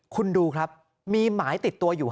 คุณดูครับมีหมายติดตัวอยู่